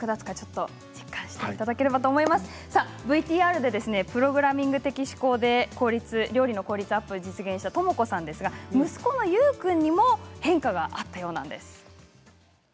ＶＴＲでプログラミング的思考で料理の効率アップしたともこさんですが息子のゆう君にも変化があったそうです。